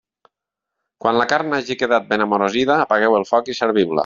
Quan la carn hagi quedat ben amorosida apagueu el foc i serviu-la.